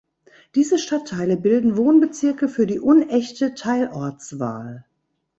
Diese Stadtteile bilden Wohnbezirke für die Unechte Teilortswahl.